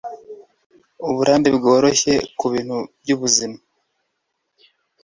Uburambe bworoshye kubintu byubuzima